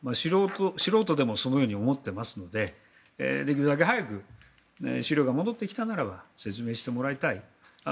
素人でもそのように思っていますのでできるだけ早く資料が戻ってきたならば説明してもらいたい。